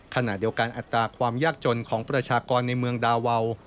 ขณะเดียวกันอัตราความยากจนของประชากรในเมืองดาวาว